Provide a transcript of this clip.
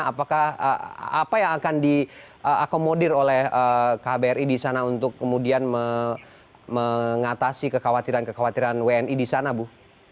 apakah apa yang akan diakomodir oleh kbri di sana untuk kemudian mengatasi kekhawatiran kekhawatiran wni di sana bu